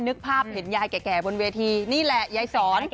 นึกภาพเห็นยายแก่บนเวทีนี่แหละยายสอน